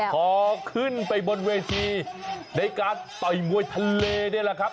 พอขึ้นไปบนเวทีในการต่อยมวยทะเลนี่แหละครับ